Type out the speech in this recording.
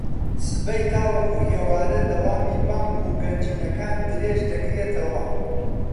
سبەی تاوەکو ئێوارە دەوامی بانک و گەنجینەکان درێژدەکرێتەوە